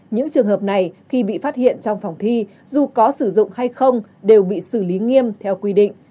những trường hợp này khi bị phát hiện trong phòng thi dù có sử dụng hay không đều bị xử lý nghiêm theo quy định